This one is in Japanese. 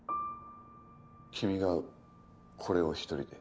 君がこれを一人で？